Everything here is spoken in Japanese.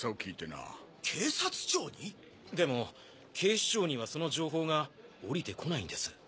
でも警視庁にはその情報が下りてこないんです。